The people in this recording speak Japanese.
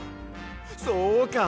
そうか！